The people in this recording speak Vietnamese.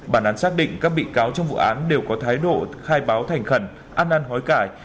bản án xác định các bị cáo trong vụ án đều có thái độ khai báo thành khẩn ăn ăn hối cải